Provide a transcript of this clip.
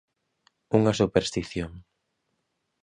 Unha superstición.